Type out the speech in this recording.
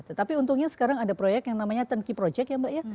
tetapi untungnya sekarang ada proyek yang namanya turn key project ya mbak ya